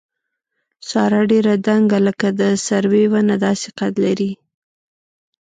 ساره ډېره دنګه لکه د سروې ونه داسې قد لري.